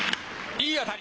いい当たり。